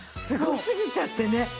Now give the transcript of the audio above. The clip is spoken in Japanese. すごすぎちゃってね。